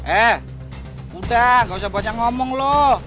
eh udah gak usah banyak ngomong loh